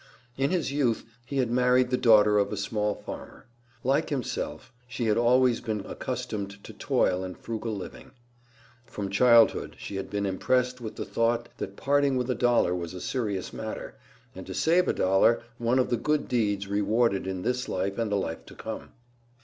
In his youth he had married the daughter of a small farmer. Like himself, she had always been accustomed to toil and frugal living. From childhood she had been impressed with the thought that parting with a dollar was a serious matter, and to save a dollar one of the good deeds rewarded in this life and the life to come.